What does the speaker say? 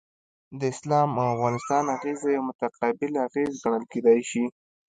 د اسلام او افغانستان اغیزه یو متقابل اغیز ګڼل کیدای شي.